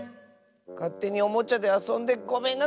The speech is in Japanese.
かってにおもちゃであそんでごめんなさい！